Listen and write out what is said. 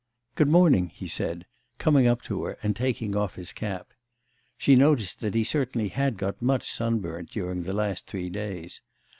'Good morning,' he said, coming up to her and taking off his cap. She noticed that he certainly had got much sunburnt during the last three days.